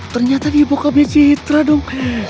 ternyata dia bokapnya citra dong